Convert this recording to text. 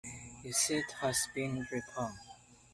His Seat has been Drepung.